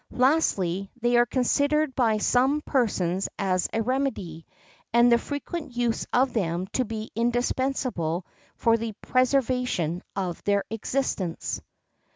Lastly, they are considered by some persons as a remedy, and the frequent use of them to be indispensable for the preservation of their existence."